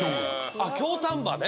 あっ京丹波ね。